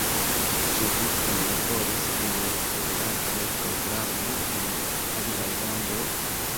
Ĉu vi kunlaboras kun rilataj programoj en aliaj landoj?